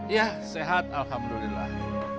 ya sehat alhamdulillah